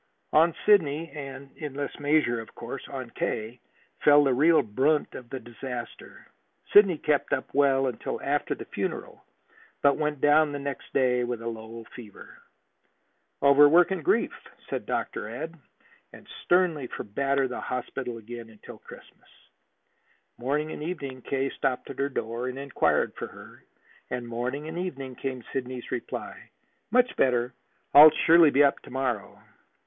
On Sidney and in less measure, of course, on K. fell the real brunt of the disaster. Sidney kept up well until after the funeral, but went down the next day with a low fever. "Overwork and grief," Dr. Ed said, and sternly forbade the hospital again until Christmas. Morning and evening K. stopped at her door and inquired for her, and morning and evening came Sidney's reply: "Much better. I'll surely be up to morrow!"